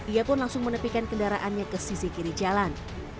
ia pun langsung menepikan kendaraannya ke sisi kiri jalan